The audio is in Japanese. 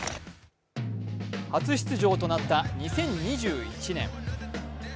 初出場となった２０２１年。